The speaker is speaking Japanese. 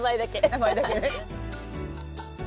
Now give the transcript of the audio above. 名前だけね。